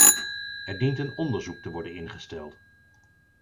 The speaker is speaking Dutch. Er dient een onderzoek te worden ingesteld.